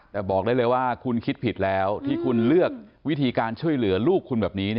แต่บอกได้เลยว่าคุณคิดผิดแล้วที่คุณเลือกวิธีการช่วยเหลือลูกคุณแบบนี้